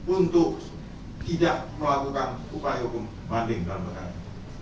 untuk tidak melakukan upaya hukum banding dalam negara